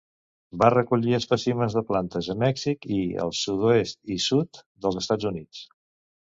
Va recollir espècimens de plantes a Mèxic i el sud-oest i sud dels Estats Units.